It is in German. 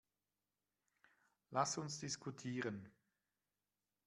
Lass uns diskutieren.